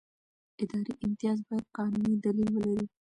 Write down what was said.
اداري امتیاز باید قانوني دلیل ولري.